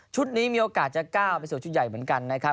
นี้มีโอกาสจะก้าวไปสู่ชุดใหญ่เหมือนกันนะครับ